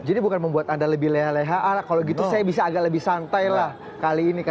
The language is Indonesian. jadi bukan membuat anda lebih leha leha kalau gitu saya bisa agak lebih santai lah kali ini